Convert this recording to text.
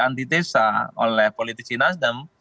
antitesa oleh politisi nasdem